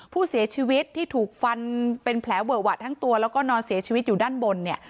ผู้เสียชีวิตที่ถูกฟันเป็นแผลเวอะวะทั้งตัวแล้วก็นอนเสียชีวิตอยู่ด้านบนเนี่ย